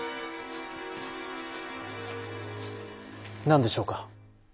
何でしょうか？